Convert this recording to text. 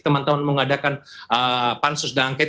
teman teman mengadakan pansus dangket